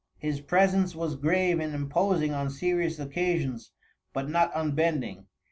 "His presence was grave and imposing on serious occasions, but not unbending.